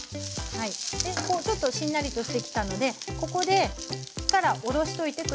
でちょっとしんなりとしてきたのでここで火から下ろしといて下さい。